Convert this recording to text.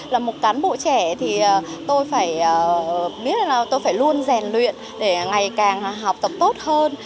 là một cán bộ trẻ thì tôi phải biết là tôi phải luôn rèn luyện để ngày càng học tập tốt hơn